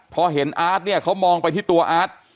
พอเห็นอาร์ตเนี่ยเขามองไปที่ตัวอาร์ต